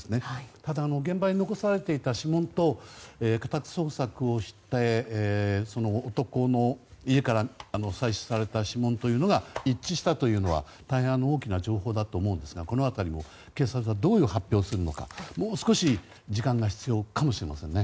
ただ、現場に残されていた指紋と家宅捜索をして男の家から採取された指紋というのが一致したというのは大変大きな情報だと思いますがこの辺りを警察はどういう発表をするのかもう少し時間が必要かもしれませんね。